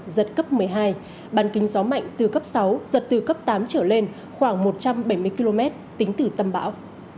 giật cấp một mươi hai bàn kính gió mạnh từ cấp sáu giật từ cấp tám trở lên khoảng một trăm bảy mươi km tính từ tâm bão